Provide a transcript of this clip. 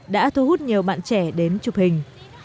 đã thu hút nhiều bạn trẻ đến chụp hình